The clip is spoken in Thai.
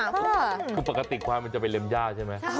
คือปกติควายมันจะไปเล็มย่าใช่ไหม